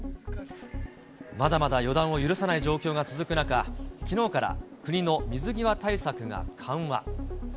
まだまだ予断を許さない状況が続く中、きのうから国の水際対策が緩和。